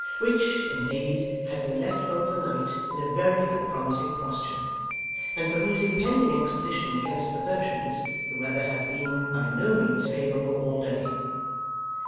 Which, indeed, had been left over night in a very unpromising posture, and for whose impending expedition against the Persians the weather had been by no means favourable all day.